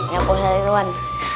ya kok ridwan